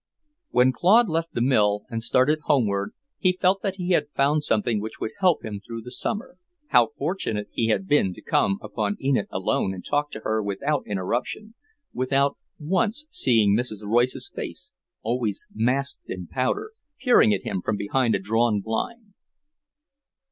When Claude left the mill and started homeward he felt that he had found something which would help him through the summer. How fortunate he had been to come upon Enid alone and talk to her without interruption, without once seeing Mrs. Royce's face, always masked in powder, peering at him from behind a drawn blind.